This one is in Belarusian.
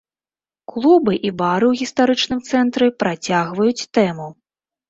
Клубы і бары ў гістарычным цэнтры працягваюць тэму.